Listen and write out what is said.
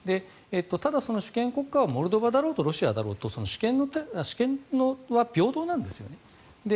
ただその主権国家はモルドバだろうとロシアだろうと主権は平等なんですよね。